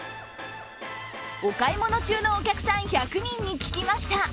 お買い物中のお客さん１００人に聞きました。